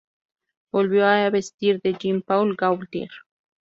Volvió a vestir de Jean-Paul Gaultier.